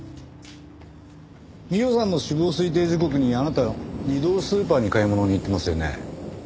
美緒さんの死亡推定時刻にあなた２度スーパーに買い物に行ってますよね。